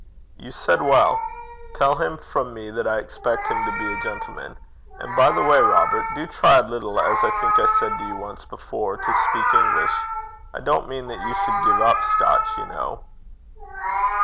'You said well. Tell him from me that I expect him to be a gentleman. And by the way, Robert, do try a little, as I think I said to you once before, to speak English. I don't mean that you should give up Scotch, you know.'